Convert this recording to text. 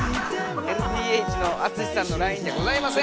ＬＤＨのＡＴＳＵＳＨＩさんのラインではございません。